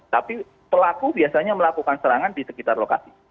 tapi pelaku biasanya melakukan serangan di sekitar lokasi